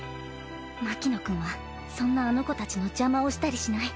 牧野くんはそんなあの子たちの邪魔をしたりしない。